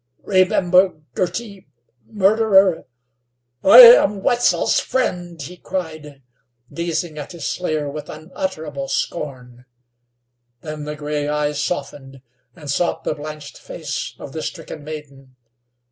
"Remember, Girty, murderer! I am Wetzel's friend," he cried, gazing at his slayer with unutterable scorn. Then the gray eyes softened, and sought the blanched face of the stricken maiden.